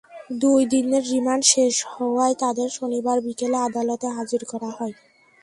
দুই দিনের রিমান্ড শেষ হওয়ায় তাঁদের শনিবার বিকেলে আদালতে হাজির করা হয়।